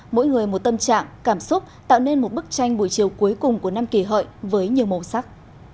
mỗi người một tâm trạng cảm xúc tạo nên một bức tranh buổi chiều cuối cùng của năm kỳ hợi với nhiều màu sắc